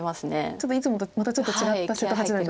ちょっといつもとまたちょっと違った瀬戸八段が。